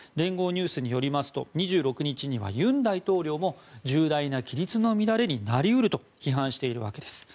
ニュースによりますと２６日には尹大統領も重大な規律の乱れになり得ると批判しているわけです。